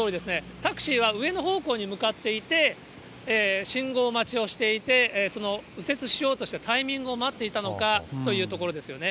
タクシーは上野方向に向かっていて、信号待ちをしていて、その右折しようとしたタイミングを待っていたのかというところですよね。